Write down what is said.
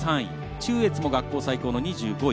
中越も学校最高の２５位。